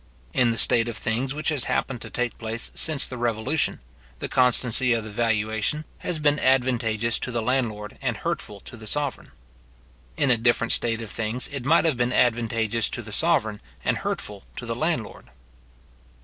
In the state of things which has happened to take place since the revolution, the constancy of the valuation has been advantageous to the landlord and hurtful to the sovereign. In a different state of things it might have been advantageous to the sovereign and hurtful to the landlord.